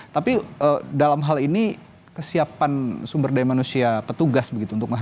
tapi dalam hal ini kesiapan sumber daya manusia petugasnya juga sangat lelah